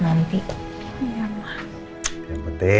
gak ada apa apa